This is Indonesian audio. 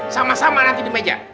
sama sama nanti di meja